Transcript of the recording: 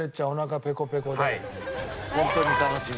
ホントに楽しみ。